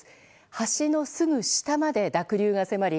橋のすぐ下まで濁流が迫り